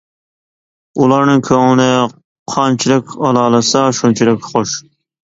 ئۇلارنىڭ كۆڭلىنى قانچىلىك ئالالىسا شۇنچىلىك خوش.